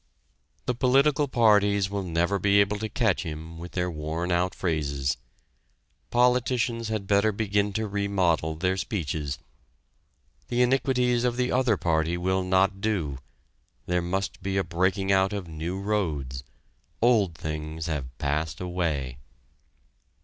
The political parties will never be able to catch him with their worn out phrases. Politicians had better begin to remodel their speeches. The iniquities of the other party will not do. There must be a breaking out of new roads old things have passed away!